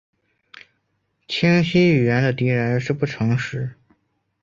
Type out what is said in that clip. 清晰语言的敌人是不诚实。